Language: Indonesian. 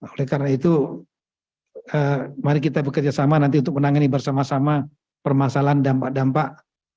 oleh karena itu mari kita bekerjasama nanti untuk menangani bersama sama permasalahan dampak dampak